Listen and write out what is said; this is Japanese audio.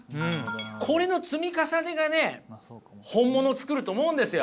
これの積み重ねがね本物を作ると思うんですよ。